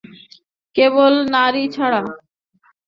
কেবল নারী ছাড়া!